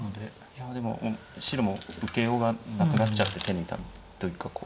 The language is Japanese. いやでも白も受けようがなくなっちゃって手抜いたという格好。